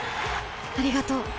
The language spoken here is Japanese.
ありがとう。